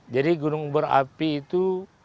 jadi gunung berapi itu